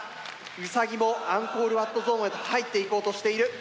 ウサギもアンコールワットゾーンへと入っていこうとしている。